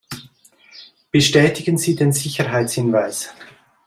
Bestätigen Sie den Sicherheitshinweis.